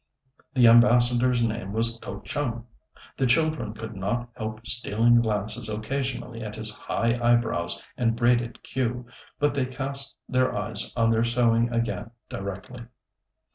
The Ambassador's name was To Chum. The children could not help stealing glances occasionally at his high eyebrows and braided queue, but they cast their eyes on their sewing again directly.